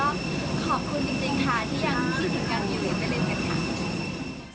ที่ยังมีทีมการมีเรียนไปเล่นกันค่ะ